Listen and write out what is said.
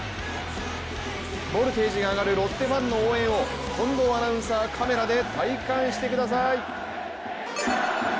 ボルテージが上がるロッテファンの応援を近藤アナウンサーカメラで体感してください！